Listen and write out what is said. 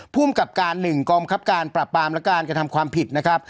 ภูมิกับการ๑กองบังคับการปรับปรามและการกระทำความผิดนะครับ